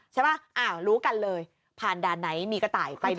ใช่ไหมอ่ารู้กันเลยผ่านด้านไหนมีกระต่ายไปได้เลย